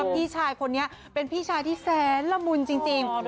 พี่ชายคนนี้เป็นพี่ชายที่แสนละมุนจริง